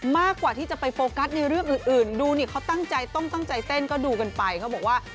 มากกว่าที่จะไปโฟกัสในเรื่องอื่นดูนี่เขาตั้งใจต้องตั้งใจเต้นก็ดูกันไปเขาบอกว่า